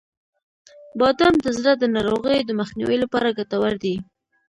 • بادام د زړه د ناروغیو د مخنیوي لپاره ګټور دي.